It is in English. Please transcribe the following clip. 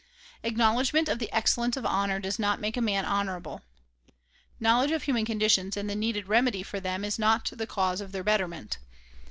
Acknowledgment of the excellence of honor does not make a man honorable. Knowledge of human conditions and the needed remedy for them is not the cause of their betterment.